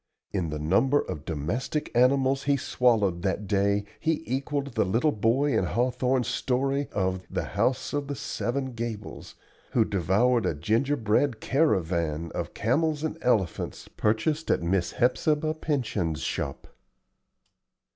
In the number of domestic animals he swallowed that day he equalled the little boy in Hawthorne's story of "The House of the Seven Gables," who devoured a ginger bread caravan of camels and elephants purchased at Miss Hepzibah Pyncheon's shop.